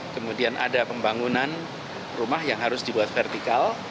kemudian ada pembangunan rumah yang harus dibuat vertikal